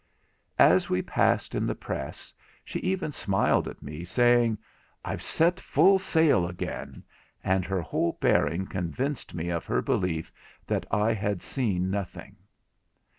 As we passed in the press, she even smiled at me, saying, 'I've set full sail again'; and her whole bearing convinced me of her belief that I had seen nothing.